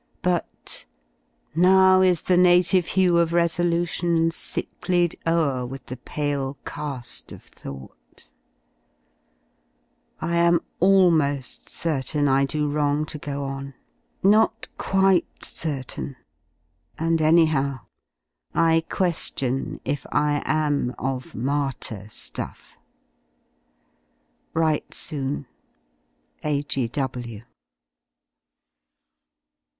But "Now is the native hue of resolution sicklied 4 ^vJ^ o'er with the pale ca^ of thought !" J I am a/moii certain I do wrong to go on — not quite certain, and anyhow, I que^ion if I aj» of martyr ftufF...... Write soon, ^ A.G.W.